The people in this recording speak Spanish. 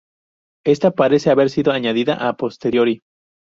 Esta parece haber sido añadida a posteriori.